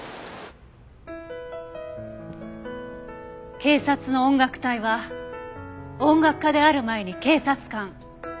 警察の音楽隊は音楽家である前に警察官。